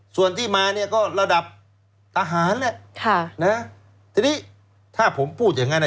ส่วนที่มาเนี่ยก็ระดับทหารแหละค่ะนะทีนี้ถ้าผมพูดอย่างงั้นอ่ะ